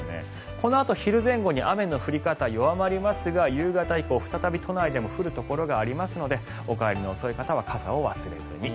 このあと昼前後に雨の降り方、弱まりますが夕方以降、再び都内でも降るところがありますのでお帰りの遅い方は傘を忘れずに。